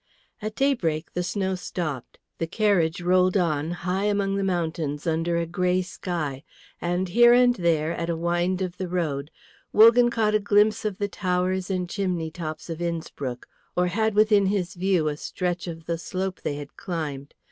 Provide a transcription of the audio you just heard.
At daybreak the snow stopped; the carriage rolled on high among the mountains under a grey sky; and here and there, at a wind of the road, Wogan caught a glimpse of the towers and chimney tops of Innspruck, or had within his view a stretch of the slope they had climbed.